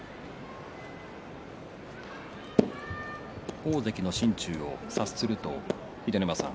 大関の心中を察すると秀ノ山さん